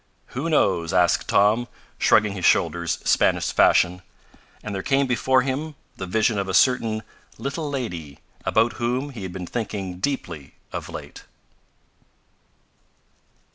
"Who knows?" asked Tom, shrugging his shoulders, Spanish fashion. And there came before him the vision of a certain "little lady," about whom he had been thinking deeply of late.